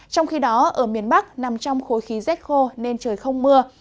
trong khi đó ở miền bắc nằm trong khối khí rét khô nên trời không mưa